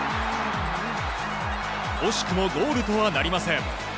惜しくもゴールとはなりません。